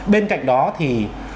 bên cạnh đó thì